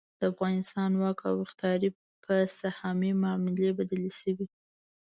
د افغانستان واک او اختیار په سهامي معاملې بدل شوی.